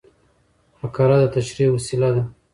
فقره د تشریح وسیله ده.